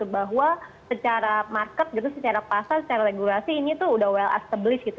bahwa secara market secara pasar secara regulasi ini itu sudah well established